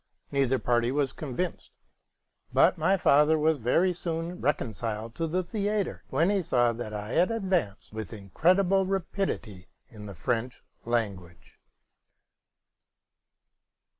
Neither party was convinced ; but my father was very soon reconciled to the theatre when he saw that I advanced with incredible rapidity in the French language.